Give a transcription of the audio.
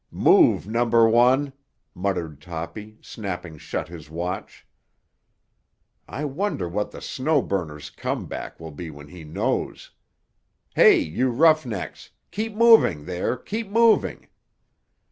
"Move number one!" muttered Toppy, snapping shut his watch. "I wonder what the Snow Burner's come back will be when he knows. Hey, you roughnecks! Keep moving, there; keep moving!"